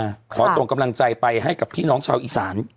ไม่ได้มาขอตรงกำลังใจไปให้กับพี่น้องชาวอีสาน